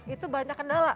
itu banyak kendala